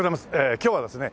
今日はですね